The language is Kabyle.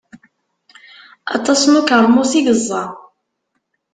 Aṭas n ukermus i yeẓẓa.